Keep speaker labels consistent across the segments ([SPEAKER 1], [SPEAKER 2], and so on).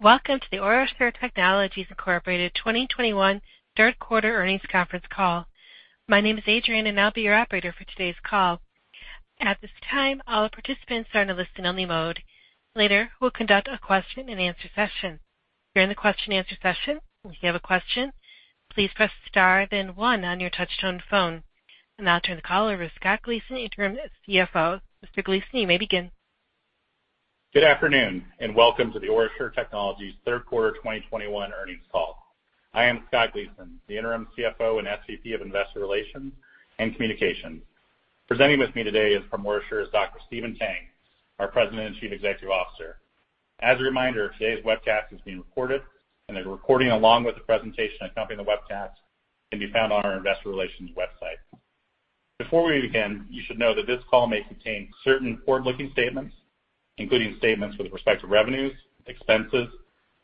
[SPEAKER 1] Welcome to the OraSure Technologies Incorporated 2021 third quarter earnings conference call. My name is Adrienne, and I'll be your operator for today's call. At this time, all participants are in a listen-only mode. Later, we'll conduct a question-and-answer session. During the question answer session, if you have a question, please press star then one on your touchtone phone. I'll now turn the call over to Scott Gleason, Interim CFO. Mr. Gleason, you may begin.
[SPEAKER 2] Good afternoon, and welcome to the OraSure Technologies third quarter 2021 earnings call. I am Scott Gleason, the interim CFO and SVP of Investor Relations and Communications. Presenting with me today from OraSure is Dr. Stephen Tang, our President and Chief Executive Officer. As a reminder, today's webcast is being recorded, and the recording, along with the presentation accompanying the webcast, can be found on our investor relations website. Before we begin, you should know that this call may contain certain forward-looking statements, including statements with respect to revenues, expenses,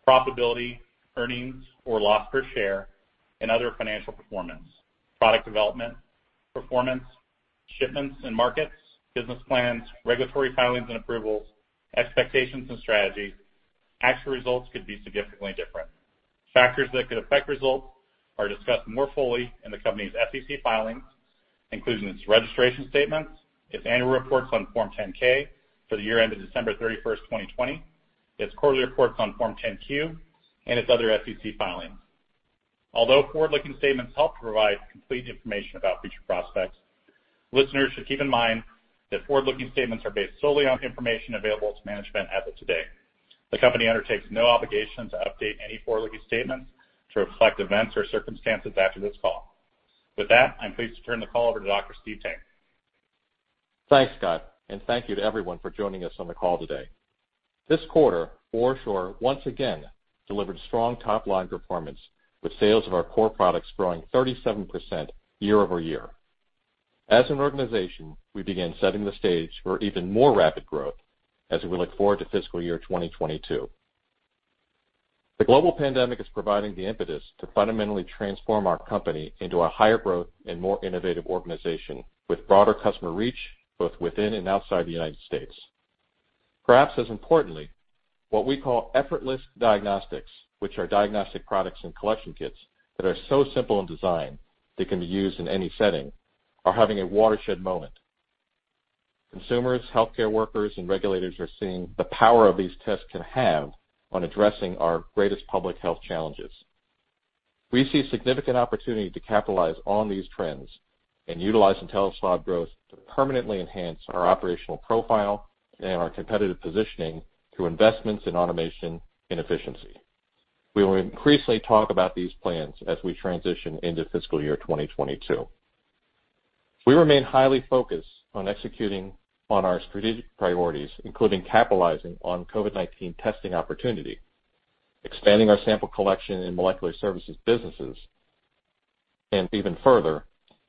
[SPEAKER 2] profitability, earnings or loss per share, and other financial performance, product development, performance, shipments and markets, business plans, regulatory filings and approvals, expectations and strategies. Actual results could be significantly different. Factors that could affect results are discussed more fully in the company's SEC filings, including its registration statements, its annual reports on Form 10-K for the year ended December 31st, 2020, its quarterly reports on Form 10-Q, and its other SEC filings. Although forward-looking statements help to provide complete information about future prospects, listeners should keep in mind that forward-looking statements are based solely on information available to management as of today. The company undertakes no obligation to update any forward-looking statements to reflect events or circumstances after this call. With that, I'm pleased to turn the call over to Dr. Steve Tang.
[SPEAKER 3] Thanks, Scott, and thank you to everyone for joining us on the call today. This quarter, OraSure once again delivered strong top-line performance, with sales of our core products growing 37% year-over-year. As an organization, we began setting the stage for even more rapid growth as we look forward to fiscal year 2022. The global pandemic is providing the impetus to fundamentally transform our company into a higher growth and more innovative organization with broader customer reach both within and outside the United States. Perhaps as importantly, what we call effortless diagnostics, which are diagnostic products and collection kits that are so simple in design they can be used in any setting, are having a watershed moment. Consumers, healthcare workers, and regulators are seeing the power of these tests can have on addressing our greatest public health challenges. We see significant opportunity to capitalize on these trends and utilize InteliSwab growth to permanently enhance our operational profile and our competitive positioning through investments in automation and efficiency. We will increasingly talk about these plans as we transition into fiscal year 2022. We remain highly focused on executing on our strategic priorities, including capitalizing on COVID-19 testing opportunity, expanding our sample collection and molecular services businesses, and even further,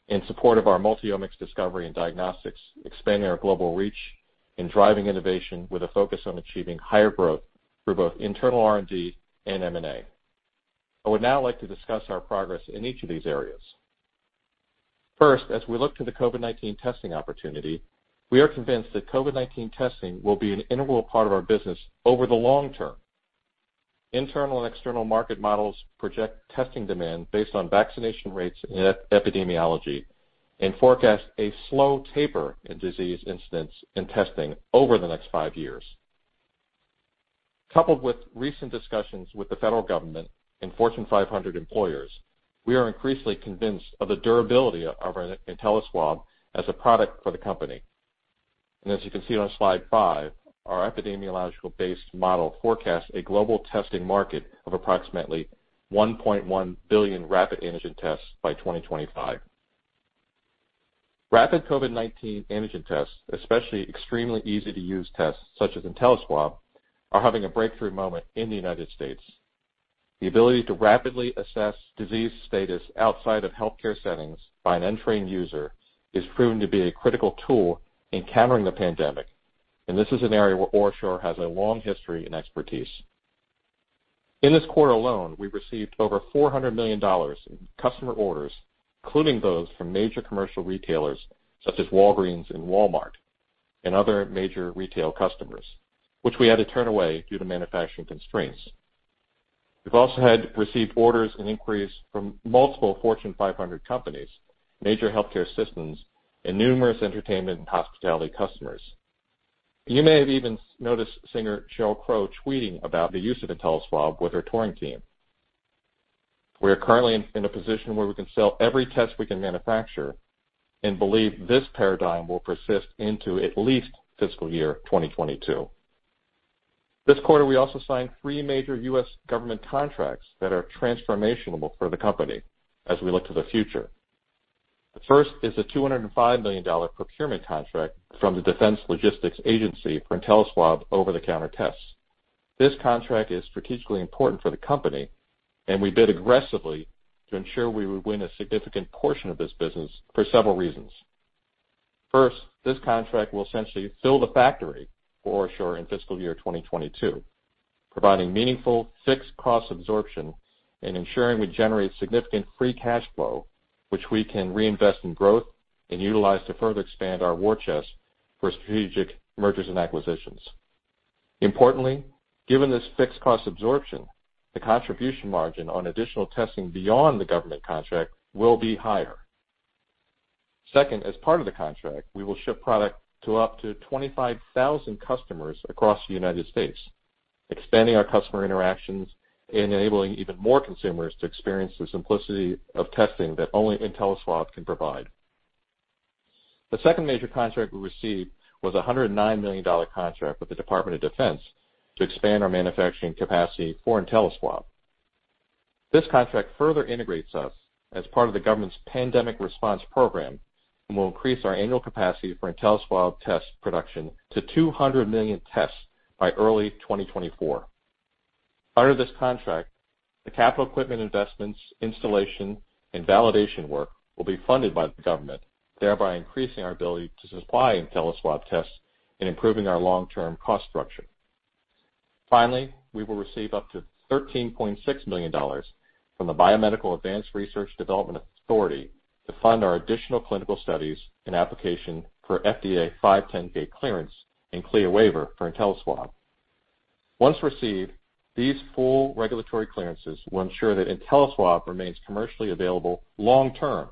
[SPEAKER 3] in support of our multi-omics discovery and diagnostics, expanding our global reach and driving innovation with a focus on achieving higher growth through both internal R&D and M&A. I would now like to discuss our progress in each of these areas. First, as we look to the COVID-19 testing opportunity, we are convinced that COVID-19 testing will be an integral part of our business over the long term. Internal and external market models project testing demand based on vaccination rates and epidemiology and forecast a slow taper in disease incidence in testing over the next five years. Coupled with recent discussions with the federal government and Fortune 500 employers, we are increasingly convinced of the durability of our InteliSwab as a product for the company. As you can see on slide five, our epidemiological-based model forecasts a global testing market of approximately 1.1 billion rapid antigen tests by 2025. Rapid COVID-19 antigen tests, especially extremely easy-to-use tests such as InteliSwab, are having a breakthrough moment in the United States. The ability to rapidly assess disease status outside of healthcare settings by an untrained user is proven to be a critical tool in countering the pandemic, and this is an area where OraSure has a long history and expertise. In this quarter alone, we received over $400 million in customer orders, including those from major commercial retailers such as Walgreens and Walmart and other major retail customers, which we had to turn away due to manufacturing constraints. We've also had received orders and inquiries from multiple Fortune 500 companies, major healthcare systems, and numerous entertainment and hospitality customers. You may have even noticed singer Sheryl Crow tweeting about the use of InteliSwab with her touring team. We are currently in a position where we can sell every test we can manufacture and believe this paradigm will persist into at least fiscal year 2022. This quarter, we also signed three major U.S. government contracts that are transformational for the company as we look to the future. The first is a $205 million procurement contract from the Defense Logistics Agency for InteliSwab over-the-counter tests. This contract is strategically important for the company, and we bid aggressively to ensure we would win a significant portion of this business for several reasons. First, this contract will essentially fill the factory for OraSure in fiscal year 2022, providing meaningful fixed cost absorption and ensuring we generate significant free cash flow, which we can reinvest in growth and utilize to further expand our war chest for strategic mergers and acquisitions. Importantly, given this fixed cost absorption, the contribution margin on additional testing beyond the government contract will be higher. Second, as part of the contract, we will ship product to up to 25,000 customers across the United States, expanding our customer interactions and enabling even more consumers to experience the simplicity of testing that only InteliSwab can provide. The second major contract we received was a $109 million contract with the Department of Defense to expand our manufacturing capacity for InteliSwab. This contract further integrates us as part of the government's pandemic response program and will increase our annual capacity for InteliSwab test production to 200 million tests by early 2024. Under this contract, the capital equipment investments, installation, and validation work will be funded by the government, thereby increasing our ability to supply InteliSwab tests and improving our long-term cost structure. Finally, we will receive up to $13.6 million from the Biomedical Advanced Research and Development Authority to fund our additional clinical studies and application for FDA 510(k) clearance and CLIA waiver for InteliSwab. Once received, these full regulatory clearances will ensure that InteliSwab remains commercially available long term,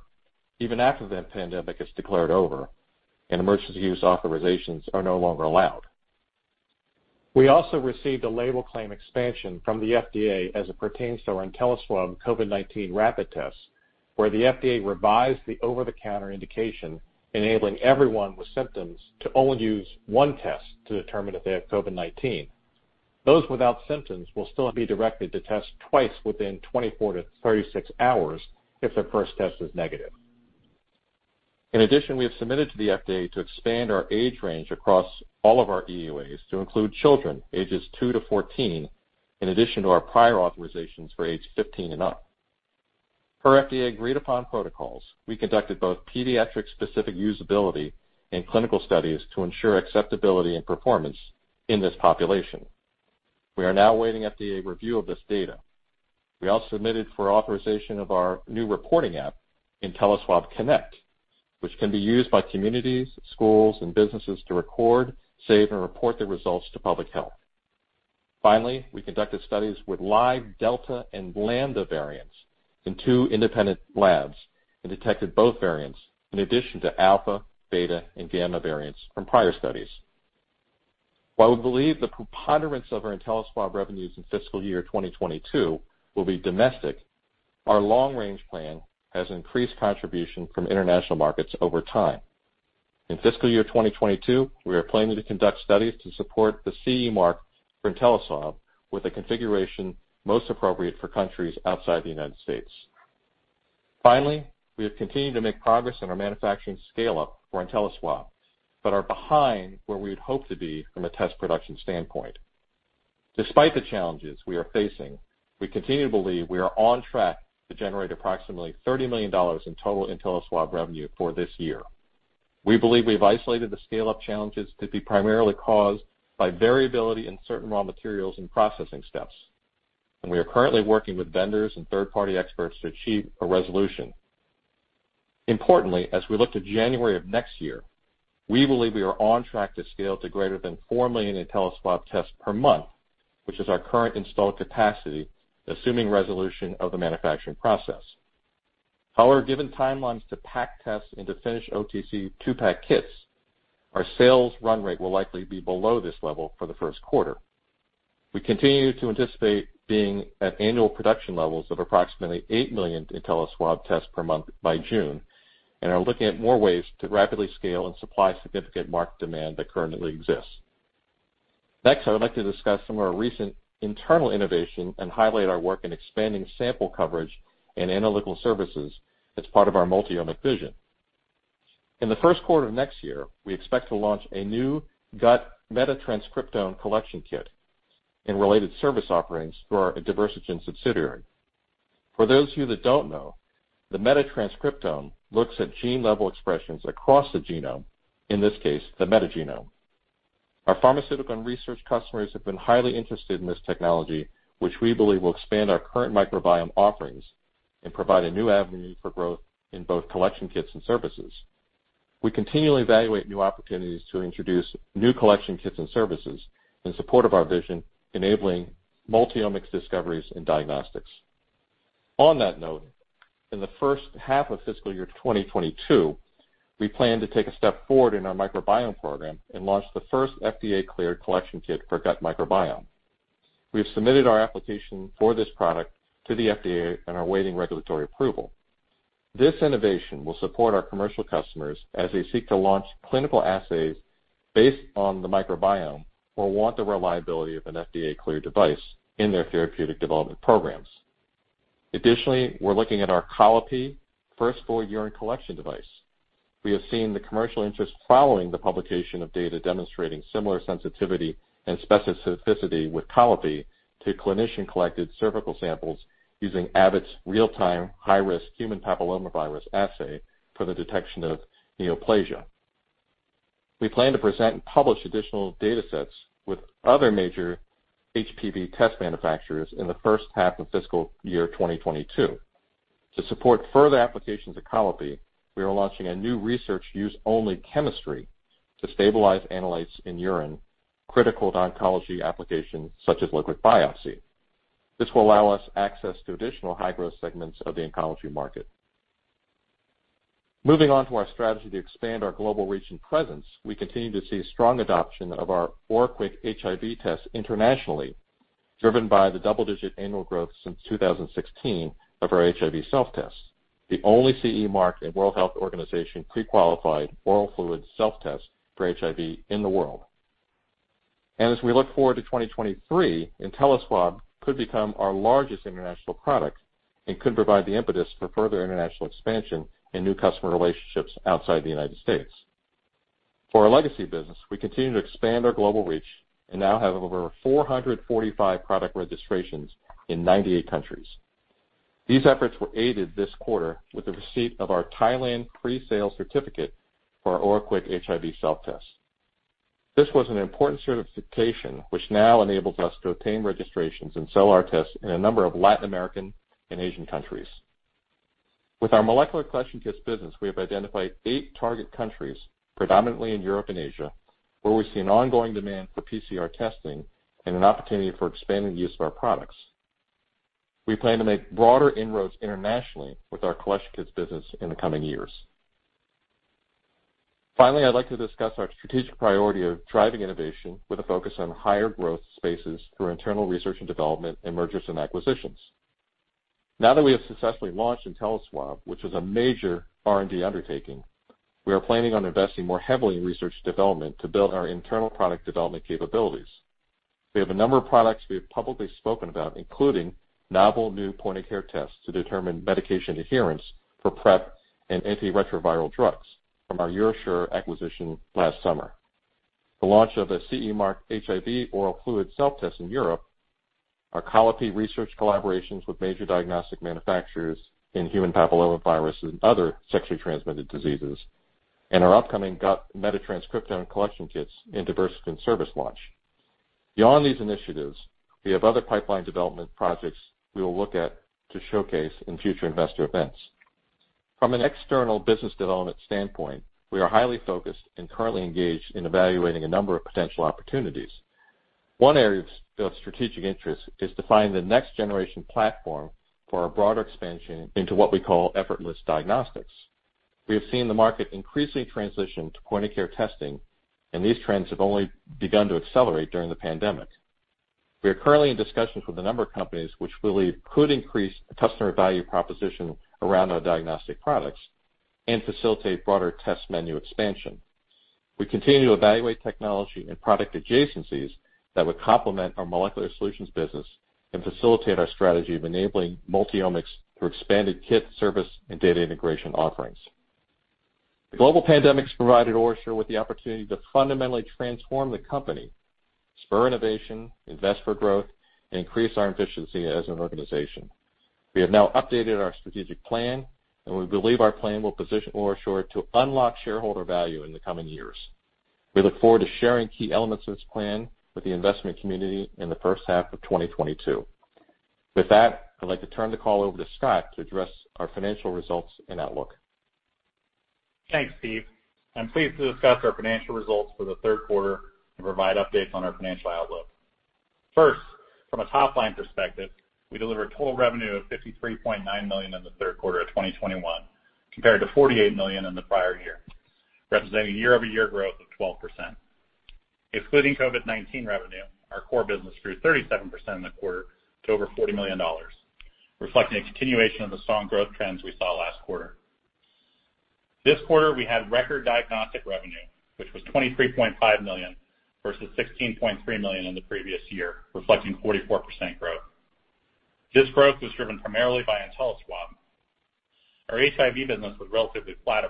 [SPEAKER 3] even after the pandemic is declared over and emergency use authorizations are no longer allowed. We also received a label claim expansion from the FDA as it pertains to our InteliSwab COVID-19 rapid tests, where the FDA revised the over-the-counter indication, enabling everyone with symptoms to only use one test to determine if they have COVID-19. Those without symptoms will still be directed to test twice within 24-36 hours if their first test is negative. In addition, we have submitted to the FDA to expand our age range across all of our EUAs to include children ages 2-14, in addition to our prior authorizations for age 15 and up. Per FDA agreed-upon protocols, we conducted both pediatric-specific usability and clinical studies to ensure acceptability and performance in this population. We are now awaiting FDA review of this data. We also submitted for authorization of our new reporting app, InteliSwab Connect, which can be used by communities, schools, and businesses to record, save, and report their results to public health. Finally, we conducted studies with live Delta and Lambda variants in two independent labs and detected both variants in addition to Alpha, Beta, and Gamma variants from prior studies. While we believe the preponderance of our InteliSwab revenues in fiscal year 2022 will be domestic, our long-range plan has increased contribution from international markets over time. In fiscal year 2022, we are planning to conduct studies to support the CE mark for InteliSwab with the configuration most appropriate for countries outside the United States. Finally, we have continued to make progress in our manufacturing scale-up for InteliSwab, but are behind where we would hope to be from a test production standpoint. Despite the challenges we are facing, we continue to believe we are on track to generate approximately $30 million in total InteliSwab revenue for this year. We believe we've isolated the scale-up challenges to be primarily caused by variability in certain raw materials and processing steps, and we are currently working with vendors and third-party experts to achieve a resolution. Importantly, as we look to January of next year, we believe we are on track to scale to greater than 4 million InteliSwab tests per month, which is our current installed capacity, assuming resolution of the manufacturing process. However, given timelines to pack tests into finished OTC two-pack kits, our sales run rate will likely be below this level for the first quarter. We continue to anticipate being at annual production levels of approximately 8 million InteliSwab tests per month by June and are looking at more ways to rapidly scale and supply significant market demand that currently exists. Next, I would like to discuss some of our recent internal innovation and highlight our work in expanding sample coverage and analytical services as part of our multi-omics vision. In the first quarter of next year, we expect to launch a new gut metatranscriptome collection kit and related service offerings through our Diversigen subsidiary. For those of you that don't know, the metatranscriptome looks at gene level expressions across the genome, in this case, the metagenome. Our pharmaceutical and research customers have been highly interested in this technology, which we believe will expand our current microbiome offerings and provide a new avenue for growth in both collection kits and services. We continually evaluate new opportunities to introduce new collection kits and services in support of our vision, enabling multi-omics discoveries and diagnostics. On that note, in the first half of fiscal year 2022, we plan to take a step forward in our microbiome program and launch the first FDA-cleared collection kit for gut microbiome. We have submitted our application for this product to the FDA and are awaiting regulatory approval. This innovation will support our commercial customers as they seek to launch clinical assays based on the microbiome or want the reliability of an FDA-cleared device in their therapeutic development programs. Additionally, we're looking at our Colli-Pee first-void urine collection device. We have seen the commercial interest following the publication of data demonstrating similar sensitivity and specificity with Colli-Pee to clinician-collected cervical samples using Abbott RealTime High Risk HPV assay for the detection of neoplasia. We plan to present and publish additional data sets with other major HPV test manufacturers in the first half of fiscal year 2022. To support further applications of Colli-Pee, we are launching a new research use only chemistry to stabilize analytes in urine, critical to oncology applications such as liquid biopsy. This will allow us access to additional high-growth segments of the oncology market. Moving on to our strategy to expand our global reach and presence, we continue to see strong adoption of our OraQuick HIV test internationally, driven by the double-digit annual growth since 2016 of our HIV self-test, the only CE mark in World Health Organization pre-qualified oral fluid self-test for HIV in the world. As we look forward to 2023, InteliSwab could become our largest international product and could provide the impetus for further international expansion and new customer relationships outside the United States. For our legacy business, we continue to expand our global reach and now have over 445 product registrations in 98 countries. These efforts were aided this quarter with the receipt of our Thailand pre-sale certificate for our OraQuick HIV self-test. This was an important certification which now enables us to obtain registrations and sell our tests in a number of Latin American and Asian countries. With our molecular collection kits business, we have identified eight target countries, predominantly in Europe and Asia, where we see an ongoing demand for PCR testing and an opportunity for expanding the use of our products. We plan to make broader inroads internationally with our collection kits business in the coming years. Finally, I'd like to discuss our strategic priority of driving innovation with a focus on higher growth spaces through internal research and development and mergers and acquisitions. Now that we have successfully launched InteliSwab, which was a major R&D undertaking, we are planning on investing more heavily in research and development to build our internal product development capabilities. We have a number of products we have publicly spoken about, including novel new point-of-care tests to determine medication adherence for PrEP and antiretroviral drugs from our OraSure acquisition last summer, the launch of a CE mark HIV oral fluid self-test in Europe, our Colli-Pee research collaborations with major diagnostic manufacturers in human papillomavirus and other sexually transmitted diseases, and our upcoming gut metatranscriptome collection kits in Diversigen service launch. Beyond these initiatives, we are highly focused and currently engaged in evaluating a number of potential opportunities. One area of strategic interest is to find the next generation platform for our broader expansion into what we call effortless diagnostics. We have seen the market increasingly transition to point-of-care testing, and these trends have only begun to accelerate during the pandemic. We are currently in discussions with a number of companies which we believe could increase the customer value proposition around our diagnostic products and facilitate broader test menu expansion. We continue to evaluate technology and product adjacencies that would complement our molecular solutions business and facilitate our strategy of enabling multi-omics through expanded kit, service, and data integration offerings. The global pandemic has provided OraSure with the opportunity to fundamentally transform the company, spur innovation, invest for growth, and increase our efficiency as an organization. We have now updated our strategic plan, and we believe our plan will position OraSure to unlock shareholder value in the coming years. We look forward to sharing key elements of this plan with the investment community in the first half of 2022. With that, I'd like to turn the call over to Scott to address our financial results and outlook.
[SPEAKER 2] Thanks, Steve. I'm pleased to discuss our financial results for the third quarter and provide updates on our financial outlook. First, from a top-line perspective, we delivered total revenue of $53.9 million in the third quarter of 2021 compared to $48 million in the prior year, representing a year-over-year growth of 12%. Excluding COVID-19 revenue, our core business grew 37% in the quarter to over $40 million, reflecting a continuation of the strong growth trends we saw last quarter. This quarter, we had record diagnostic revenue, which was $23.5 million versus $16.3 million in the previous year, reflecting 44% growth. This growth was driven primarily by InteliSwab. Our HIV business was relatively flat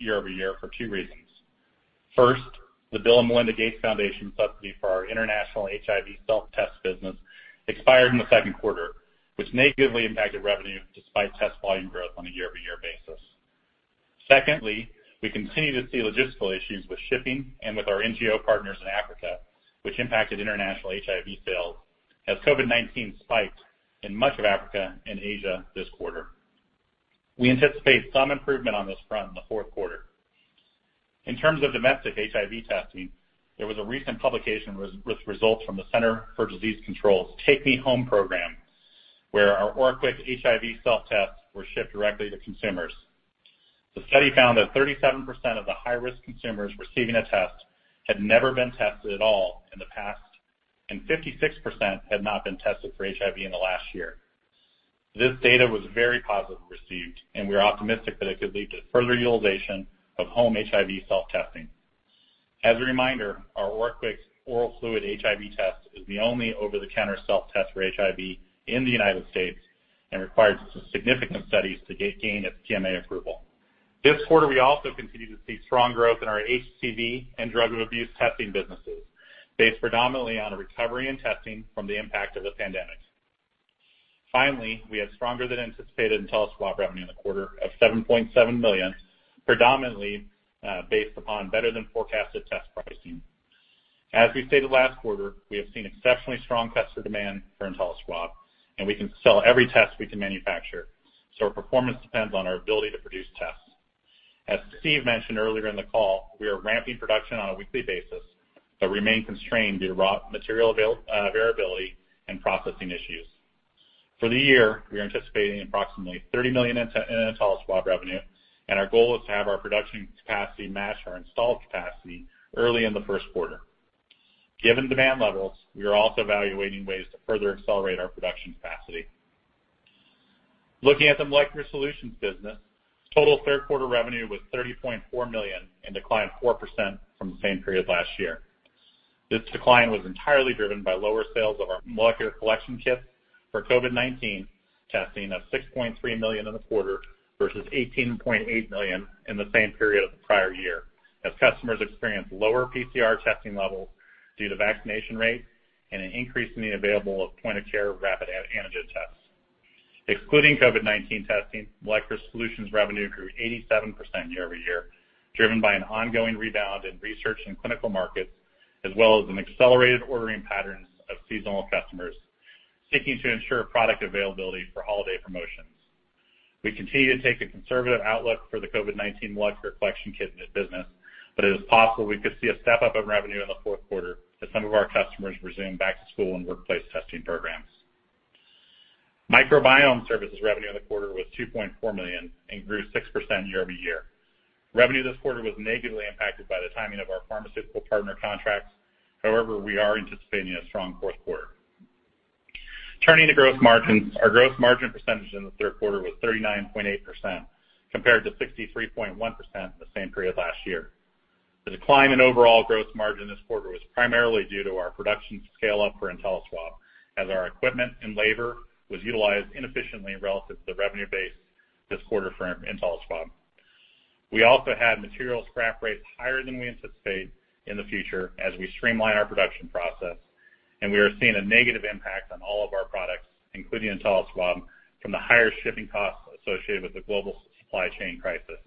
[SPEAKER 2] year over year for two reasons. First, the Bill & Melinda Gates Foundation subsidy for our international HIV self-test business expired in the second quarter, which negatively impacted revenue despite test volume growth on a year-over-year basis. Secondly, we continue to see logistical issues with shipping and with our NGO partners in Africa, which impacted international HIV sales as COVID-19 spiked in much of Africa and Asia this quarter. We anticipate some improvement on this front in the fourth quarter. In terms of domestic HIV testing, there was a recent publication with results from the Centers for Disease Control and Prevention's Together Take Me Home program, where our OraQuick HIV self-tests were shipped directly to consumers. The study found that 37% of the high-risk consumers receiving a test had never been tested at all in the past, and 56% had not been tested for HIV in the last year. This data was very positively received, and we are optimistic that it could lead to further utilization of home HIV self-testing. As a reminder, our OraQuick oral fluid HIV test is the only over-the-counter self-test for HIV in the United States and required significant studies to gain its PMA approval. This quarter, we also continue to see strong growth in our HCV and drug abuse testing businesses based predominantly on a recovery in testing from the impact of the pandemic. Finally, we have stronger than anticipated InteliSwab revenue in the quarter of $7.7 million, predominantly based upon better than forecasted test pricing. As we stated last quarter, we have seen exceptionally strong customer demand for InteliSwab, and we can sell every test we can manufacture, so our performance depends on our ability to produce tests. As Steve mentioned earlier in the call, we are ramping production on a weekly basis, but remain constrained due to raw material variability and processing issues. For the year, we are anticipating approximately $30 million in InteliSwab revenue, and our goal is to have our production capacity match our installed capacity early in the first quarter. Given demand levels, we are also evaluating ways to further accelerate our production capacity. Looking at the molecular solutions business, total third quarter revenue was $30.4 million and declined 4% from the same period last year. This decline was entirely driven by lower sales of our molecular collection kit for COVID-19 testing of $6.3 million in the quarter versus $18.8 million in the same period of the prior year, as customers experienced lower PCR testing levels due to vaccination rates and an increase in the availability of point-of-care rapid antigen tests. Excluding COVID-19 testing, molecular solutions revenue grew 87% year-over-year, driven by an ongoing rebound in research and clinical markets, as well as an accelerated ordering patterns of seasonal customers seeking to ensure product availability for holiday promotions. We continue to take a conservative outlook for the COVID-19 molecular collection kit business, but it is possible we could see a step up of revenue in the fourth quarter as some of our customers resume back-to-school and workplace testing programs. Microbiome services revenue in the quarter was $2.4 million and grew 6% year-over-year. Revenue this quarter was negatively impacted by the timing of our pharmaceutical partner contracts. However, we are anticipating a strong fourth quarter. Turning to gross margins. Our gross margin percentage in the third quarter was 39.8% compared to 63.1% in the same period last year. The decline in overall gross margin this quarter was primarily due to our production scale up for InteliSwab, as our equipment and labor was utilized inefficiently relative to the revenue base this quarter for InteliSwab. We also had material scrap rates higher than we anticipate in the future as we streamline our production process, and we are seeing a negative impact on all of our products, including InteliSwab, from the higher shipping costs associated with the global supply chain crisis.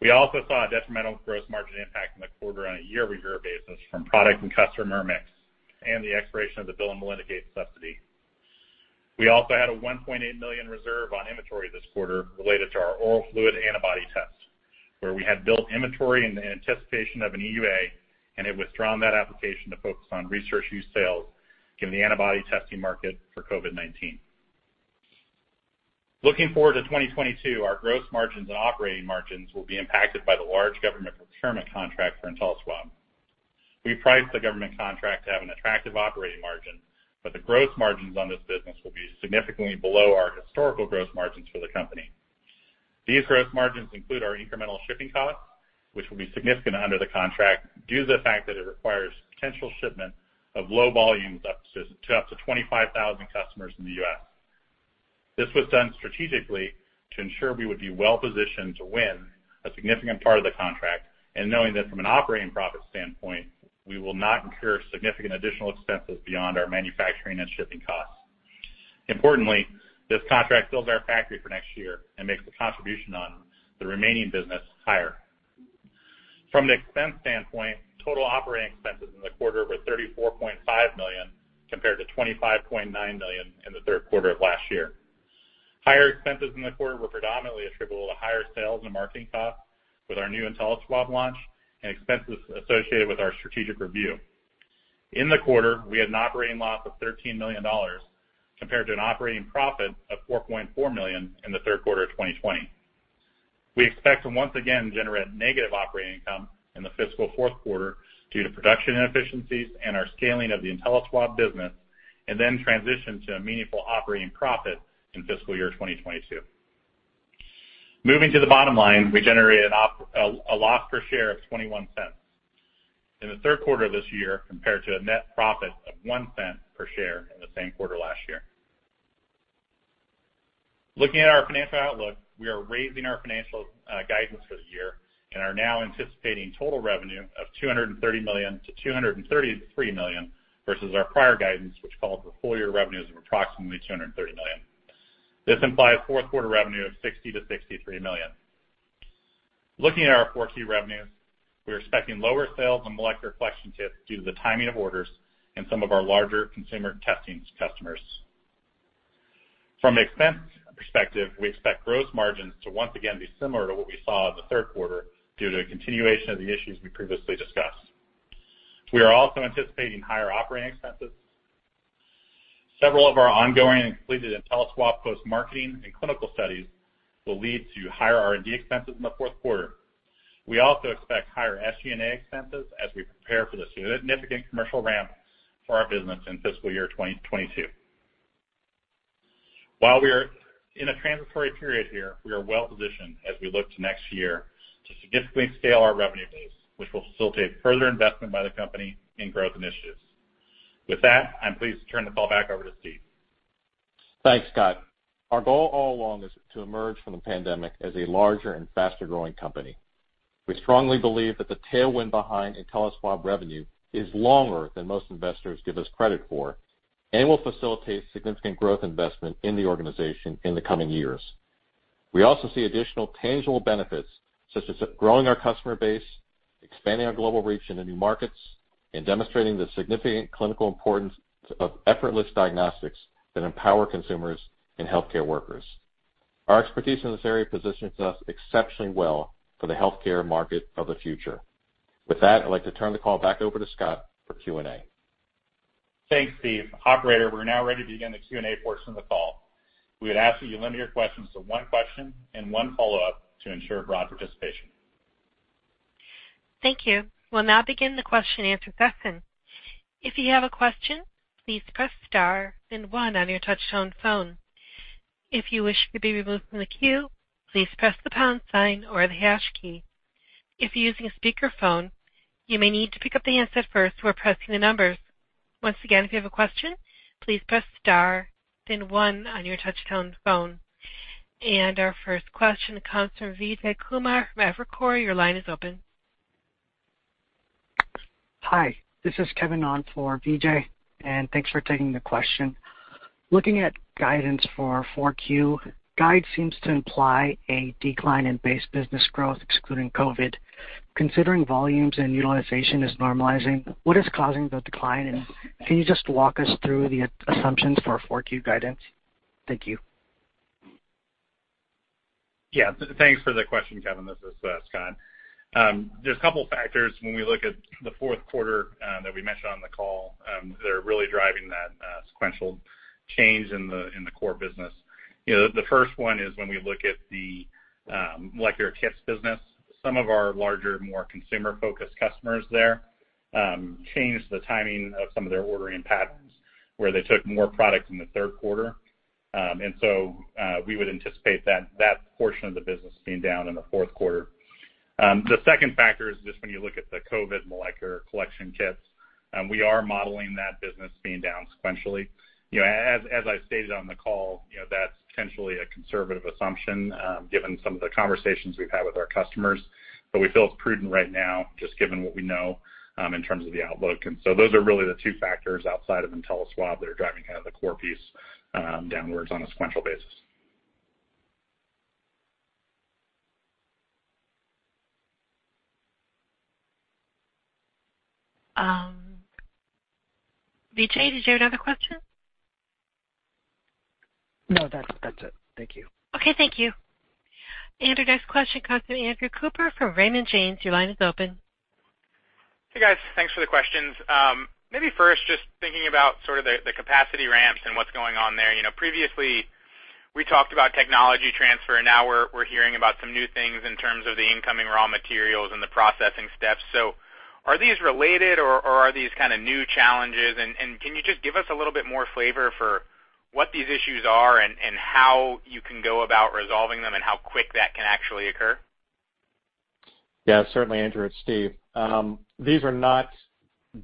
[SPEAKER 2] We also saw a detrimental gross margin impact in the quarter on a year-over-year basis from product and customer mix and the expiration of the Bill & Melinda Gates subsidy. We also had a $1.8 million reserve on inventory this quarter related to our oral fluid antibody test, where we had built inventory in anticipation of an EUA, and we withdrew that application to focus on research use sales given the antibody testing market for COVID-19. Looking forward to 2022, our gross margins and operating margins will be impacted by the large government procurement contract for InteliSwab. We priced the government contract to have an attractive operating margin, but the gross margins on this business will be significantly below our historical gross margins for the company. These gross margins include our incremental shipping costs, which will be significant under the contract due to the fact that it requires potential shipment of low volumes up to 25,000 customers in the U.S. This was done strategically to ensure we would be well positioned to win a significant part of the contract and knowing that from an operating profit standpoint, we will not incur significant additional expenses beyond our manufacturing and shipping costs. Importantly, this contract fills our factory for next year and makes the contribution on the remaining business higher. From the expense standpoint, total operating expenses in the quarter were $34.5 million compared to $25.9 million in the third quarter of last year. Higher expenses in the quarter were predominantly attributable to higher sales and marketing costs with our new InteliSwab launch and expenses associated with our strategic review. In the quarter, we had an operating loss of $13 million compared to an operating profit of $4.4 million in the third quarter of 2020. We expect to once again generate negative operating income in the fiscal fourth quarter due to production inefficiencies and our scaling of the InteliSwab business, and then transition to a meaningful operating profit in fiscal year 2022. Moving to the bottom line, we generated a loss per share of $0.21 in the third quarter of this year compared to a net profit of $0.01 per share in the same quarter last year. Looking at our financial outlook, we are raising our financial guidance for the year and are now anticipating total revenue of $230 million-$233 million, versus our prior guidance, which called for full year revenues of approximately $230 million. This implies fourth quarter revenue of $60 million-$63 million. Looking at our four key revenues, we're expecting lower sales on molecular collection kits due to the timing of orders and some of our larger consumer testing customers. From an expense perspective, we expect gross margins to once again be similar to what we saw in the third quarter due to a continuation of the issues we previously discussed. We are also anticipating higher operating expenses. Several of our ongoing and completed InteliSwab post-marketing and clinical studies will lead to higher R&D expenses in the fourth quarter. We also expect higher SG&A expenses as we prepare for the significant commercial ramp for our business in fiscal year 2022. While we are in a transitory period here, we are well positioned as we look to next year to significantly scale our revenue base, which will facilitate further investment by the company in growth initiatives. With that, I'm pleased to turn the call back over to Steve.
[SPEAKER 3] Thanks, Scott. Our goal all along is to emerge from the pandemic as a larger and faster-growing company. We strongly believe that the tailwind behind InteliSwab revenue is longer than most investors give us credit for and will facilitate significant growth investment in the organization in the coming years. We also see additional tangible benefits, such as growing our customer base, expanding our global reach into new markets, and demonstrating the significant clinical importance of effortless diagnostics that empower consumers and healthcare workers. Our expertise in this area positions us exceptionally well for the healthcare market of the future. With that, I'd like to turn the call back over to Scott for Q&A.
[SPEAKER 2] Thanks, Steve. Operator, we're now ready to begin the Q&A portion of the call. We would ask that you limit your questions to one question and one follow-up to ensure broad participation.
[SPEAKER 1] Thank you. We'll now begin the question-and-answer session. If you have a question, please press star then one on your touchtone phone. If you wish to be removed from the queue, please press the pound sign or the hash key. If you're using a speakerphone, you may need to pick up the handset first before pressing the numbers. Once again, if you have a question, please press star then one on your touchtone phone. Our first question comes from Vijay Kumar from Evercore. Your line is open.
[SPEAKER 4] Hi, this is Kevin on for Vijay, and thanks for taking the question. Looking at guidance for 4Q, guide seems to imply a decline in base business growth excluding COVID. Considering volumes and utilization is normalizing, what is causing the decline? And can you just walk us through the assumptions for 4Q guidance? Thank you.
[SPEAKER 2] Thanks for the question, Kevin. This is Scott. There's a couple factors when we look at the fourth quarter that we mentioned on the call that are really driving that sequential change in the core business. You know, the first one is when we look at the molecular kits business. Some of our larger, more consumer-focused customers there changed the timing of some of their ordering patterns, where they took more product in the third quarter. We would anticipate that portion of the business being down in the fourth quarter. The second factor is just when you look at the COVID molecular collection kits, we are modeling that business being down sequentially. You know, as I stated on the call, you know, that's potentially a conservative assumption, given some of the conversations we've had with our customers. We feel it's prudent right now just given what we know, in terms of the outlook. Those are really the two factors outside of InteliSwab that are driving kind of the core piece, downwards on a sequential basis.
[SPEAKER 1] Vijay, did you have another question?
[SPEAKER 4] No. That's it. Thank you.
[SPEAKER 1] Okay. Thank you. Our next question comes from Andrew Cooper from Raymond James. Your line is open.
[SPEAKER 5] Hey, guys. Thanks for the questions. Maybe first just thinking about sort of the capacity ramps and what's going on there. You know, previously, we talked about technology transfer, and now we're hearing about some new things in terms of the incoming raw materials and the processing steps. Are these related, or are these kinda new challenges? Can you just give us a little bit more flavor for what these issues are and how you can go about resolving them and how quick that can actually occur?
[SPEAKER 3] Yeah, certainly, Andrew. It's Steve. These are not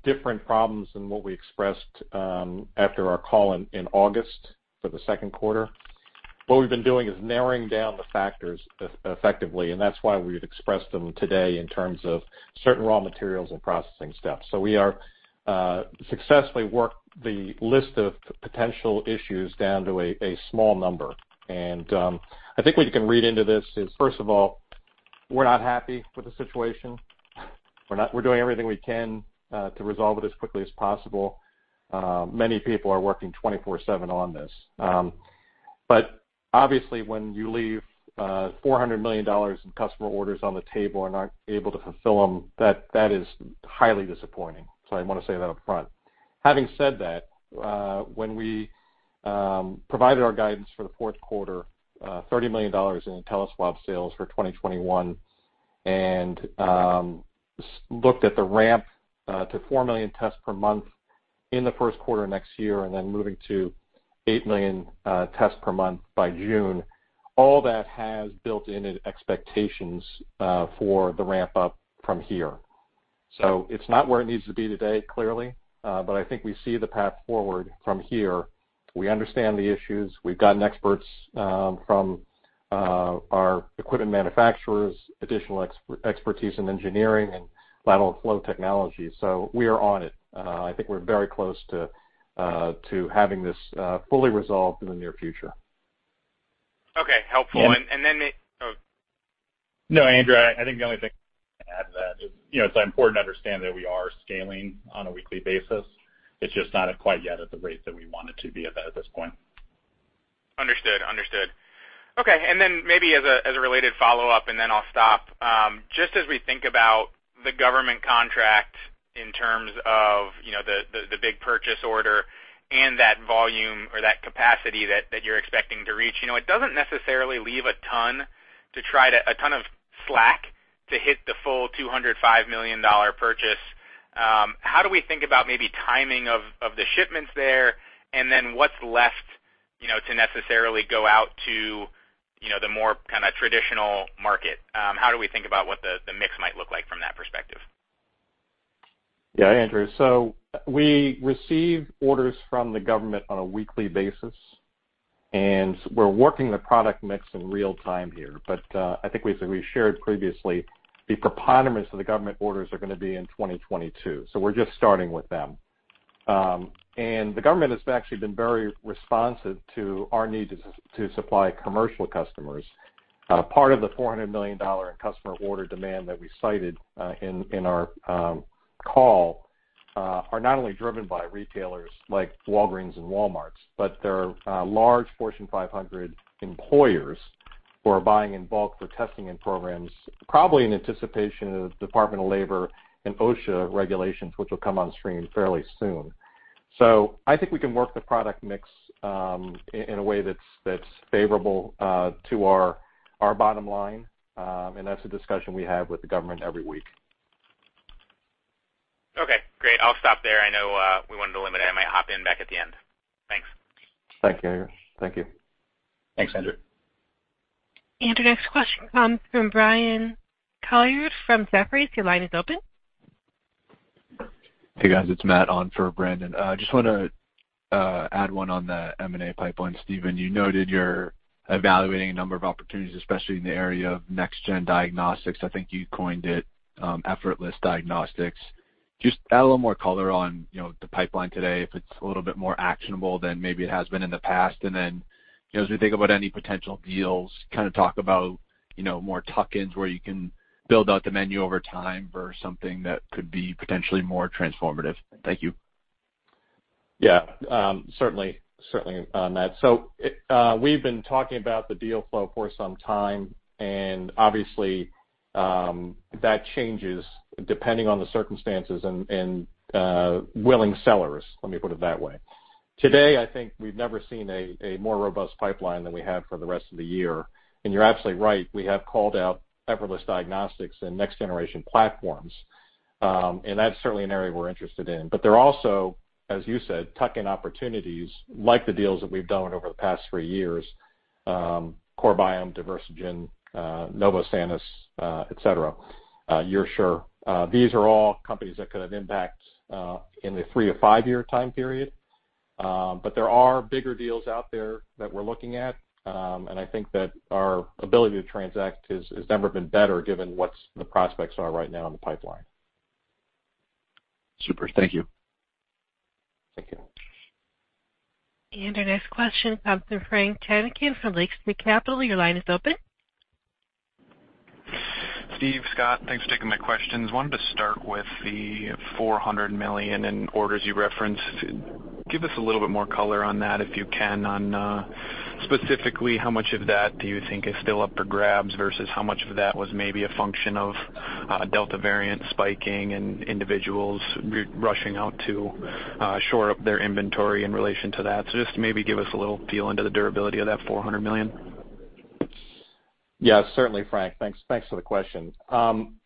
[SPEAKER 3] different problems than what we expressed after our call in August for the second quarter. What we've been doing is narrowing down the factors effectively, and that's why we've expressed them today in terms of certain raw materials and processing steps. We are successfully worked the list of potential issues down to a small number. I think what you can read into this is, first of all, we're not happy with the situation. We're doing everything we can to resolve it as quickly as possible. Many people are working 24/7 on this. Obviously, when you leave $400 million in customer orders on the table and aren't able to fulfill them, that is highly disappointing. I wanna say that upfront. Having said that, when we provided our guidance for the fourth quarter, $30 million in InteliSwab sales for 2021, and looked at the ramp to 4 million tests per month in the first quarter next year and then moving to 8 million tests per month by June, all that has built-in expectations for the ramp-up from here. It's not where it needs to be today, clearly, but I think we see the path forward from here. We understand the issues. We've gotten experts from our equipment manufacturers, additional expertise in engineering and lateral flow technology. We are on it. I think we're very close to having this fully resolved in the near future.
[SPEAKER 5] Okay. Helpful.
[SPEAKER 3] And-
[SPEAKER 5] Oh.
[SPEAKER 3] No, Andrew, I think the only thing to add to that is, you know, it's important to understand that we are scaling on a weekly basis. It's just not quite yet at the rate that we want it to be at this point.
[SPEAKER 5] Understood. Okay. Then maybe as a related follow-up, then I'll stop. Just as we think about the government contract in terms of, you know, the big purchase order and that volume or that capacity that you're expecting to reach, you know, it doesn't necessarily leave a ton of slack to hit the full $205 million purchase. How do we think about the timing of the shipments there? Then what's left, you know, to necessarily go out to, you know, the more kinda traditional market? How do we think about what the mix might look like from that perspective?
[SPEAKER 3] Andrew, we receive orders from the government on a weekly basis, and we're working the product mix in real time here. I think we've shared previously the preponderance of the government orders are gonna be in 2022, so we're just starting with them. The government has actually been very responsive to our need to supply commercial customers. Part of the $400 million in customer order demand that we cited in our call are not only driven by retailers like Walgreens and Walmart, but there are large Fortune 500 employers who are buying in bulk for testing and programs, probably in anticipation of Department of Labor and OSHA regulations, which will come on stream fairly soon. I think we can work the product mix in a way that's favorable to our bottom line. That's a discussion we have with the government every week.
[SPEAKER 5] Okay, great. I'll stop there. I know we wanted to limit. I might hop in back at the end. Thanks.
[SPEAKER 3] Thank you, Andrew. Thank you.
[SPEAKER 2] Thanks, Andrew.
[SPEAKER 1] Our next question comes from Brandon Couillard from Jefferies. Your line is open.
[SPEAKER 6] Hey, guys. It's Matt on for Brandon. Just wanna add one on the M&A pipeline. Steve, you noted you're evaluating a number of opportunities, especially in the area of next gen diagnostics. I think you coined it, effortless diagnostics. Just add a little more color on, you know, the pipeline today, if it's a little bit more actionable than maybe it has been in the past. You know, as we think about any potential deals, kinda talk about, you know, more tuck-ins where you can build out the menu over time versus something that could be potentially more transformative. Thank you.
[SPEAKER 3] Yeah. Certainly on that. We've been talking about the deal flow for some time, and obviously, that changes depending on the circumstances and willing sellers, let me put it that way. Today, I think we've never seen a more robust pipeline than we have for the rest of the year. You're absolutely right, we have called out effortless diagnostics and next generation platforms. That's certainly an area we're interested in. There are also, as you said, tuck-in opportunities like the deals that we've done over the past three years, CoreBiome, Diversigen, Novosanis, et cetera, OraSure. These are all companies that could have impact in the three to five-year time period. There are bigger deals out there that we're looking at. I think that our ability to transact has never been better given what the prospects are right now in the pipeline.
[SPEAKER 6] Super. Thank you.
[SPEAKER 3] Thank you.
[SPEAKER 1] Our next question comes from Frank Takkinen from Lake Street Capital Markets. Your line is open.
[SPEAKER 7] Steve, Scott, thanks for taking my questions. Wanted to start with the $400 million in orders you referenced. Give us a little bit more color on that, if you can, on specifically how much of that do you think is still up for grabs versus how much of that was maybe a function of Delta variant spiking and individuals rushing out to shore up their inventory in relation to that. Just maybe give us a little feel into the durability of that $400 million.
[SPEAKER 3] Yeah, certainly, Frank. Thanks for the question.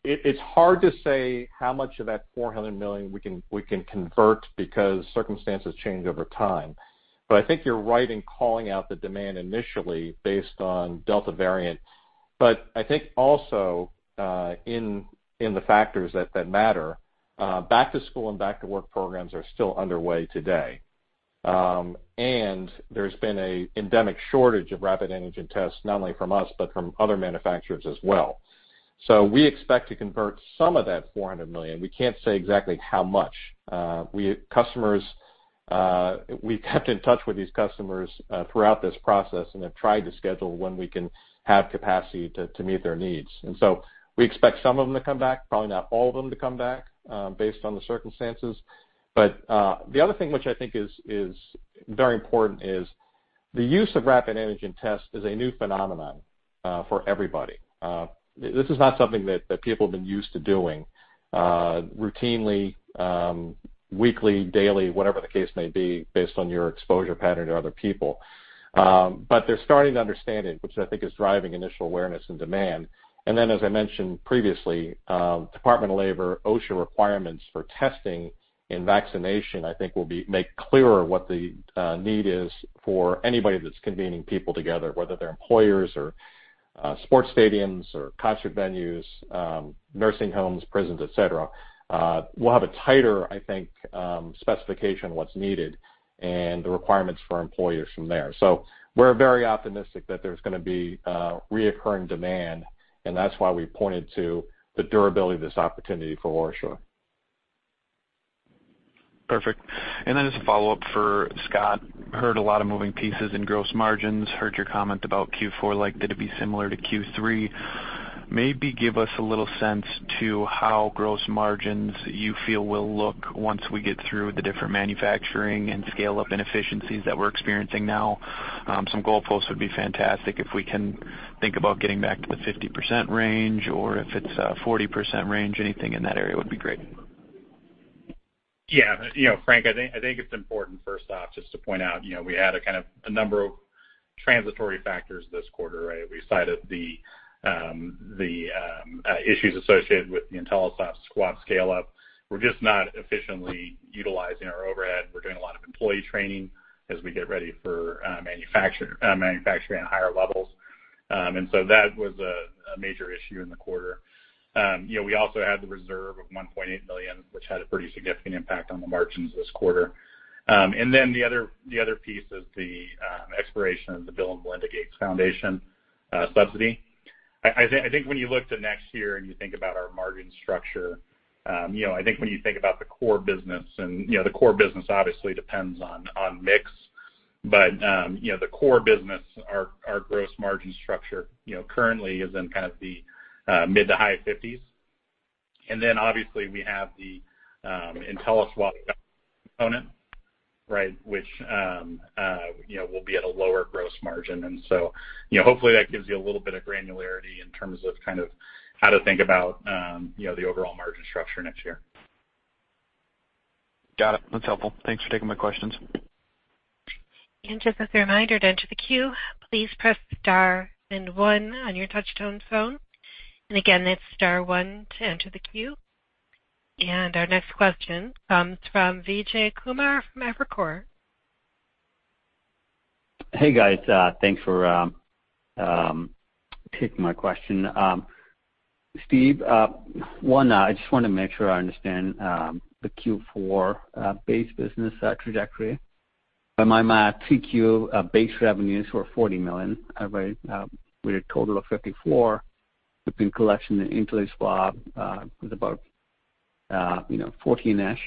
[SPEAKER 3] It's hard to say how much of that $400 million we can convert because circumstances change over time. I think you're right in calling out the demand initially based on Delta variant. I think also in the factors that matter, back to school and back to work programs are still underway today. There's been an endemic shortage of rapid antigen tests, not only from us, but from other manufacturers as well. We expect to convert some of that $400 million. We can't say exactly how much. We've kept in touch with these customers throughout this process, and have tried to schedule when we can have capacity to meet their needs. We expect some of them to come back, probably not all of them to come back, based on the circumstances. The other thing which I think is very important is the use of rapid antigen tests is a new phenomenon for everybody. This is not something that people have been used to doing, routinely, weekly, daily, whatever the case may be based on your exposure pattern to other people. They're starting to understand it, which I think is driving initial awareness and demand. As I mentioned previously, Department of Labor, OSHA requirements for testing and vaccination, I think will make clearer what the need is for anybody that's convening people together, whether they're employers or sports stadiums or concert venues, nursing homes, prisons, et cetera. We'll have a tighter, I think, specification of what's needed and the requirements for employers from there. We're very optimistic that there's gonna be recurring demand, and that's why we pointed to the durability of this opportunity for OraSure.
[SPEAKER 7] Perfect. Just a follow-up for Scott. Heard a lot of moving pieces in gross margins. Heard your comment about Q4, like, that it'd be similar to Q3. Maybe give us a little sense to how gross margins you feel will look once we get through the different manufacturing and scale-up inefficiencies that we're experiencing now. Some goalposts would be fantastic. If we can think about getting back to the 50% range or if it's, 40% range, anything in that area would be great.
[SPEAKER 2] Yeah. You know, Frank, I think it's important, first off, just to point out, you know, we had a number of transitory factors this quarter, right? We cited the issues associated with the InteliSwab COVID scale-up. We're just not efficiently utilizing our overhead. We're doing a lot of employee training as we get ready for manufacturing at higher levels. That was a major issue in the quarter. You know, we also had the reserve of $1.8 million, which had a pretty significant impact on the margins this quarter. The other piece is the expiration of the Bill & Melinda Gates Foundation subsidy. I think when you look to next year and you think about our margin structure, you know, I think when you think about the core business and, you know, the core business obviously depends on mix. You know, the core business, our gross margin structure, you know, currently is in kind of the mid- to high 50s%. Obviously we have the InteliSwab component, right? Which you know will be at a lower gross margin. You know, hopefully that gives you a little bit of granularity in terms of kind of how to think about you know the overall margin structure next year.
[SPEAKER 7] Got it. That's helpful. Thanks for taking my questions.
[SPEAKER 1] Just as a reminder to enter the queue, please press star and one on your touch-tone phone. Again, that's star one to enter the queue. Our next question comes from Vijay Kumar from Evercore.
[SPEAKER 8] Hey, guys. Thanks for taking my question. Steve, one, I just want to make sure I understand the Q4 base business trajectory. In my mind, Q3 base revenues were $40 million, right? With a total of $54 million between collection and InteliSwab, with about, you know, 14-ish.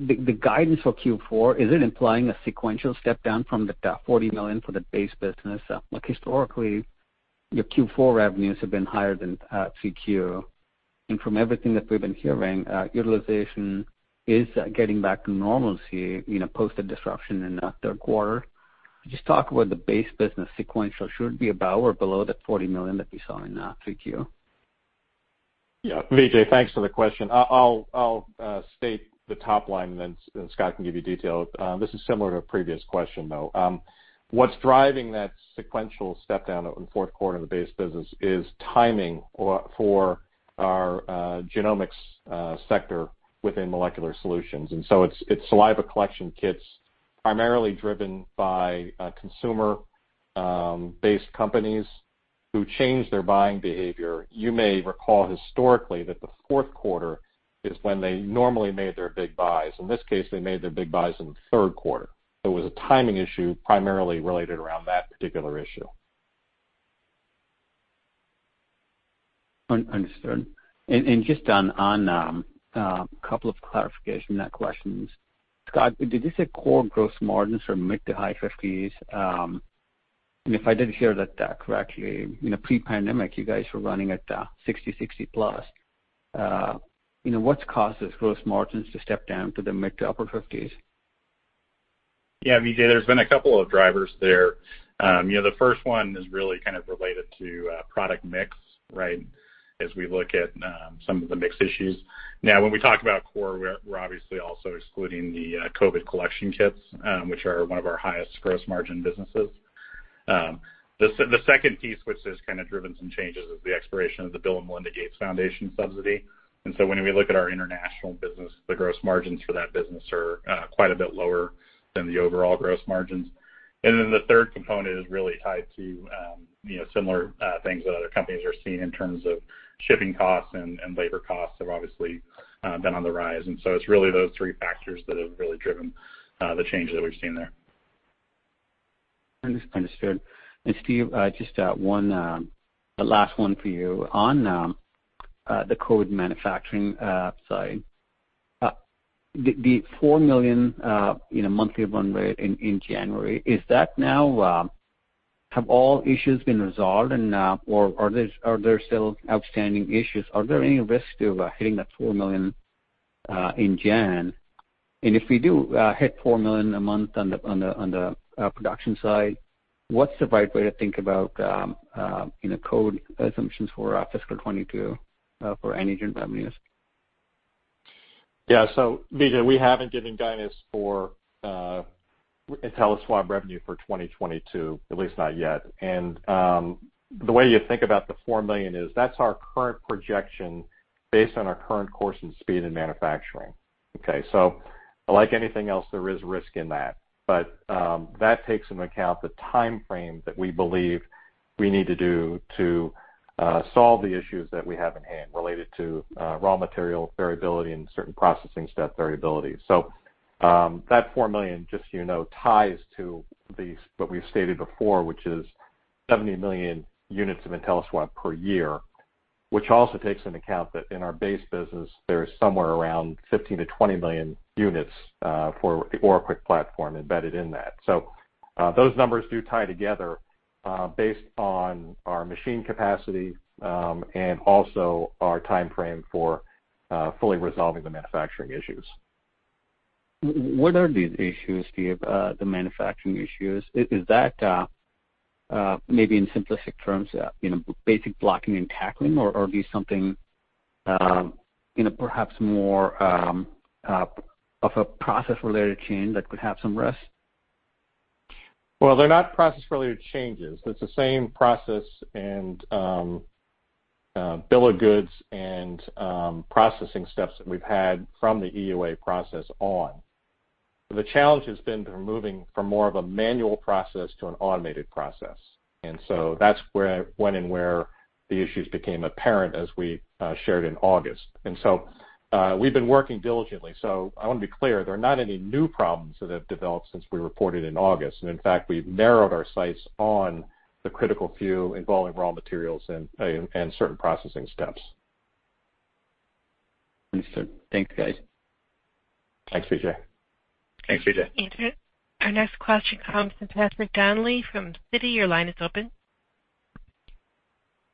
[SPEAKER 8] The guidance for Q4, is it implying a sequential step-down from the $40 million for the base business? Like historically, your Q4 revenues have been higher than Q3. From everything that we've been hearing, utilization is getting back to normalcy, you know, post the disruption in the third quarter. Just talk about the base business sequential. Should it be about or below the $40 million that we saw in Q3?
[SPEAKER 3] Yeah. Vijay, thanks for the question. I'll state the top line, and then Scott can give you detail. This is similar to a previous question, though. What's driving that sequential step-down in the fourth quarter in the base business is timing or for our genomics sector within molecular solutions. It's saliva collection kits primarily driven by consumer based companies who change their buying behavior. You may recall historically that the fourth quarter is when they normally made their big buys. In this case, they made their big buys in the third quarter. It was a timing issue primarily related around that particular issue.
[SPEAKER 8] Understood. Just on a couple of clarification questions. Scott, did you say core gross margins are mid to high 50%s? If I didn't hear that correctly, you know, pre-pandemic, you guys were running at 60%+. You know, what's caused those gross margins to step down to the mid to upper 50%s?
[SPEAKER 2] Yeah, Vijay, there's been a couple of drivers there. You know, the first one is really kind of related to product mix, right? As we look at some of the mix issues. Now, when we talk about core, we're obviously also excluding the COVID collection kits, which are one of our highest gross margin businesses. The second piece which has kind of driven some changes is the expiration of the Bill & Melinda Gates Foundation subsidy. When we look at our international business, the gross margins for that business are quite a bit lower than the overall gross margins. Then the third component is really tied to you know, similar things that other companies are seeing in terms of shipping costs and labor costs have obviously been on the rise. It's really those three factors that have really driven the change that we've seen there.
[SPEAKER 8] Understood. Steve, just one last one for you. On the COVID manufacturing side, the 4 million monthly run rate in January, is that now have all issues been resolved or are there still outstanding issues? Are there any risk to hitting that 4 million in January? If we do hit 4 million a month on the production side, what's the right way to think about you know COVID assumptions for fiscal 2022 for antigen revenues?
[SPEAKER 3] Yeah. Vijay, we haven't given guidance for InteliSwab revenue for 2022, at least not yet. The way you think about the 4 million is that's our current projection based on our current course and speed in manufacturing, okay? Like anything else, there is risk in that. That takes into account the timeframe that we believe we need to do to solve the issues that we have at hand related to raw material variability and certain processing step variability. That 4 million, just so you know, ties to these, what we've stated before, which is 70 million units of InteliSwab per year, which also takes into account that in our base business, there is somewhere around 15-20 million units for the OraQuick platform embedded in that. Those numbers do tie together, based on our machine capacity and also our timeframe for fully resolving the manufacturing issues.
[SPEAKER 8] What are these issues, Steve, the manufacturing issues? Is that maybe in simplistic terms, you know, basic blocking and tackling or is it something, you know, perhaps more of a process-related change that could have some risk?
[SPEAKER 3] Well, they're not process-related changes. It's the same process and bill of goods and processing steps that we've had from the EUA process on. The challenge has been moving from more of a manual process to an automated process. That's where the issues became apparent as we shared in August. We've been working diligently. I wanna be clear, there are not any new problems that have developed since we reported in August. In fact, we've narrowed our sights on the critical few involving raw materials and certain processing steps.
[SPEAKER 8] Understood. Thanks, guys.
[SPEAKER 3] Thanks, Vijay.
[SPEAKER 2] Thanks, Vijay.
[SPEAKER 1] Andrew, our next question comes from Patrick Donnelly from Citi. Your line is open.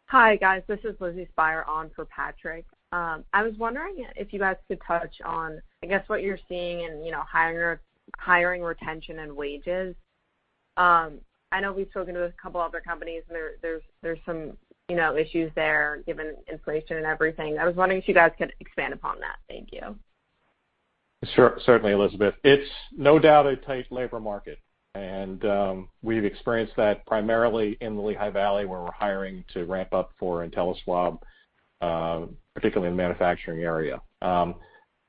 [SPEAKER 9] Hi, guys. This is Lizzie Speyer on for Patrick. I was wondering if you guys could touch on, I guess, what you're seeing in, you know, hiring, retention and wages. I know we've spoken to a couple other companies and there's some, you know, issues there given inflation and everything. I was wondering if you guys could expand upon that. Thank you.
[SPEAKER 3] Certainly, Elizabeth. It's no doubt a tight labor market, and we've experienced that primarily in the Lehigh Valley, where we're hiring to ramp up for InteliSwab, particularly in the manufacturing area.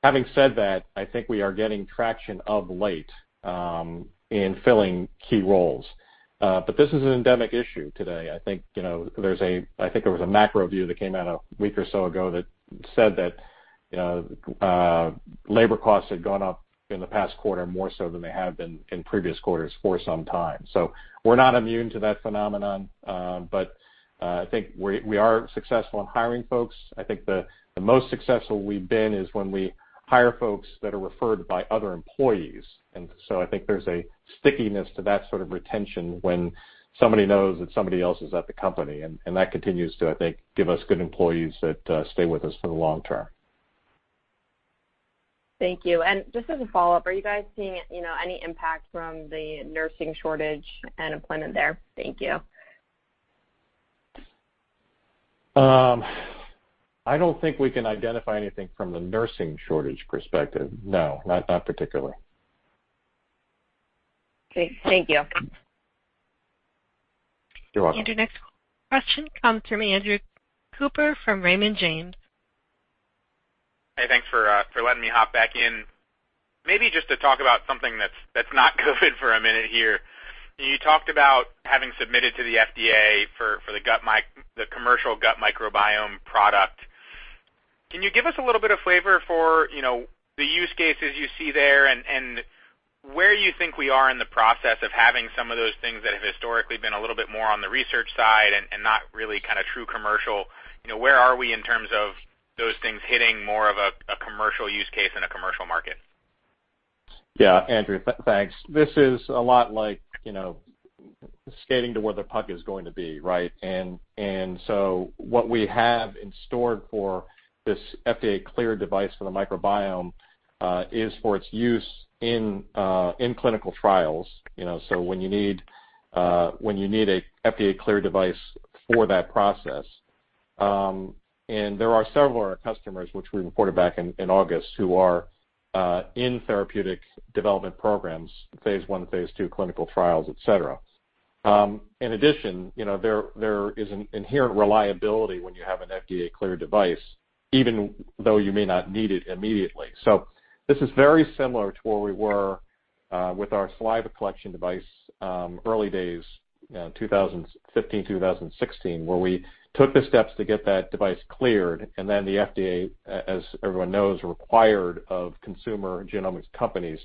[SPEAKER 3] Having said that, I think we are getting traction of late in filling key roles. This is an endemic issue today. I think, you know, I think there was a macro view that came out a week or so ago that said that, you know, labor costs had gone up in the past quarter more so than they have been in previous quarters for some time. We're not immune to that phenomenon, but I think we are successful in hiring folks. I think the most successful we've been is when we hire folks that are referred by other employees. I think there's a stickiness to that sort of retention when somebody knows that somebody else is at the company. That continues to, I think, give us good employees that stay with us for the long term.
[SPEAKER 9] Thank you. Just as a follow-up, are you guys seeing, you know, any impact from the nursing shortage and employment there? Thank you.
[SPEAKER 3] I don't think we can identify anything from the nursing shortage perspective. No, not particularly.
[SPEAKER 9] Great. Thank you.
[SPEAKER 3] You're welcome.
[SPEAKER 1] Andrew, next question comes from Andrew Cooper from Raymond James.
[SPEAKER 5] Hey, thanks for letting me hop back in. Maybe just to talk about something that's not COVID for a minute here. You talked about having submitted to the FDA for the commercial gut microbiome product. Can you give us a little bit of flavor for, you know, the use cases you see there and where you think we are in the process of having some of those things that have historically been a little bit more on the research side and not really kinda true commercial, you know, where are we in terms of those things hitting more of a commercial use case in a commercial market?
[SPEAKER 3] Yeah, Andrew, thanks. This is a lot like, you know, skating to where the puck is going to be, right? What we have in store for this FDA cleared device for the microbiome is for its use in clinical trials, you know, so when you need a FDA cleared device for that process. There are several of our customers which we reported back in August who are in therapeutic development programs, phase I, phase II clinical trials, et cetera. In addition, you know, there is an inherent reliability when you have an FDA cleared device, even though you may not need it immediately. This is very similar to where we were with our saliva collection device early days in 2015, 2016, where we took the steps to get that device cleared, and then the FDA, as everyone knows, required of consumer genomics companies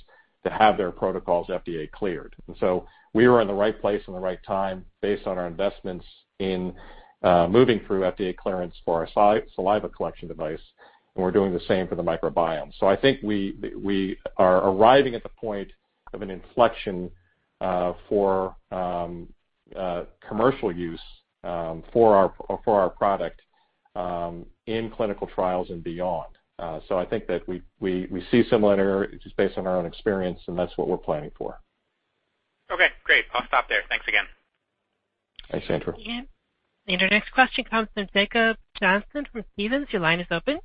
[SPEAKER 3] to have their protocols FDA cleared. We were in the right place in the right time based on our investments in moving through FDA clearance for our saliva collection device, and we're doing the same for the microbiome. I think we see similar just based on our own experience, and that's what we're planning for.
[SPEAKER 5] Okay, great. I'll stop there. Thanks again.
[SPEAKER 3] Thanks, Andrew.
[SPEAKER 1] Our next question comes from Jacob Johnson from Stephens. Your line is open.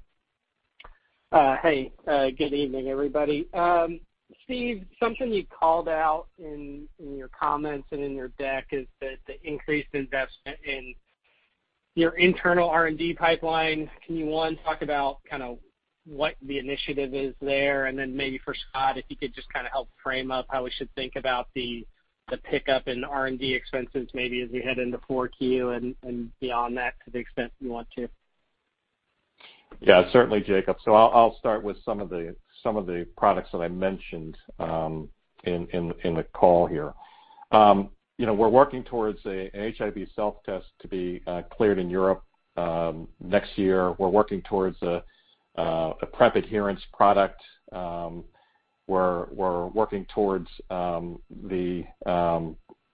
[SPEAKER 10] Hey, good evening, everybody. Steve, something you called out in your comments and in your deck is that the increased investment in your internal R&D pipeline. Can you, one, talk about kinda what the initiative is there? Then maybe for Scott, if you could just kinda help frame up how we should think about the pickup in R&D expenses maybe as we head into Q4 and beyond that to the extent you want to.
[SPEAKER 3] Yeah, certainly, Jacob. I'll start with some of the products that I mentioned in the call here. You know, we're working towards an HIV self-test to be cleared in Europe next year. We're working towards a PrEP adherence product. We're working towards the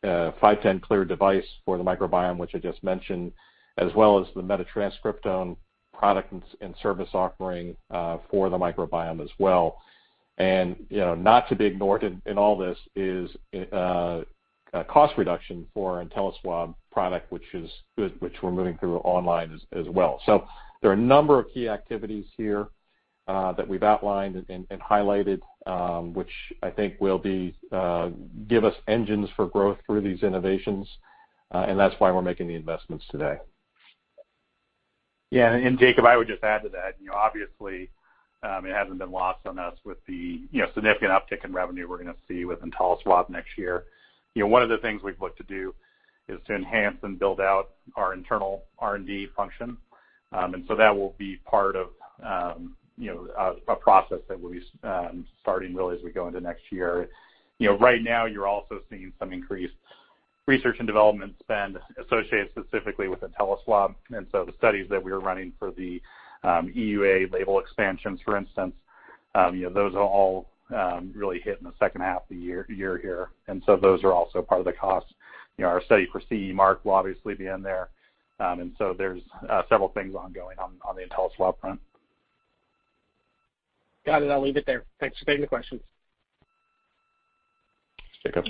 [SPEAKER 3] 510(k)-cleared device for the microbiome, which I just mentioned, as well as the metatranscriptome product and service offering for the microbiome as well. You know, not to be ignored in all this is cost reduction for InteliSwab product, which is good, which we're moving through online as well. There are a number of key activities here that we've outlined and highlighted, which I think will give us engines for growth through these innovations, and that's why we're making the investments today.
[SPEAKER 2] Yeah. Jacob, I would just add to that. You know, obviously, it hasn't been lost on us with the, you know, significant uptick in revenue we're gonna see with InteliSwab next year. You know, one of the things we've looked to do is to enhance and build out our internal R&D function. That will be part of, you know, a process that we'll be starting really as we go into next year. You know, right now you're also seeing some increased research and development spend associated specifically with InteliSwab. The studies that we're running for the EUA label expansions, for instance, you know, those will all really hit in the second half of the year here. Those are also part of the cost. You know, our study for CE mark will obviously be in there. There's several things ongoing on the InteliSwab front.
[SPEAKER 10] Got it. I'll leave it there. Thanks for taking the questions.
[SPEAKER 3] Thanks,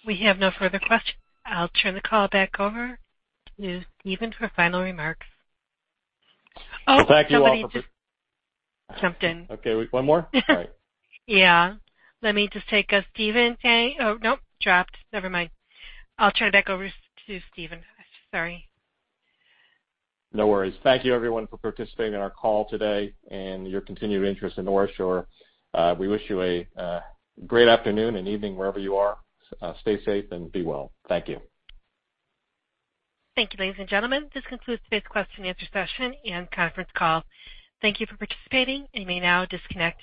[SPEAKER 3] Jacob.
[SPEAKER 1] We have no further questions. I'll turn the call back over to Stephen for final remarks. Oh, somebody just
[SPEAKER 3] Well, thank you all for
[SPEAKER 1] jumped in.
[SPEAKER 3] Okay, wait, one more? All right.
[SPEAKER 1] Yeah. Let me just take. Oh, nope, dropped. Never mind. I'll turn it back over to Stephen. Sorry.
[SPEAKER 3] No worries. Thank you everyone for participating in our call today and your continued interest in OraSure. We wish you a great afternoon and evening wherever you are. Stay safe and be well. Thank you.
[SPEAKER 1] Thank you, ladies and gentlemen. This concludes today's question and answer session and conference call. Thank you for participating. You may now disconnect.